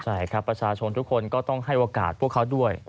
ใช่ครับประชาชนทุกคนก็ต้องให้โอกาสพวกเขาด้วย